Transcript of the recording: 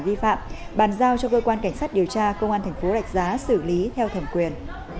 vi phạm bàn giao cho cơ quan cảnh sát điều tra công an thành phố rạch giá xử lý theo thẩm quyền